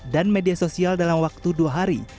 dan media sosial dalam waktu dua hari